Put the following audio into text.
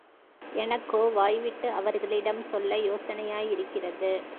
எனக்கோ வாய்விட்டு அவர்களிடம் சொல்ல யோசனையாயிருக்கிறது.